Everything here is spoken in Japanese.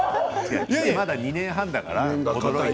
まだ２年半だから。